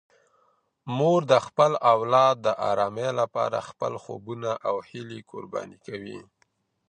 مور د خپل اولاد د ارامۍ لپاره خپل خوبونه او هیلې قرباني کوي.